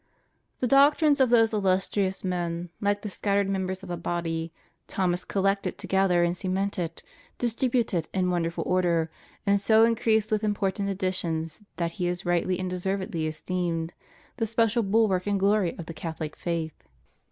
^ The doctrines of those illustrious men, like the scattered members of a body, Thomas collected together and cemented, distributed in wonderful order, and so increased with important additions that he is rightly and deservedly esteemed the special bulwark and glory of the Catholic faith.